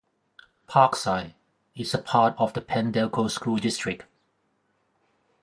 Parkside is a part of the Penn-Delco School District.